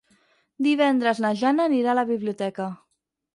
Divendres na Jana anirà a la biblioteca.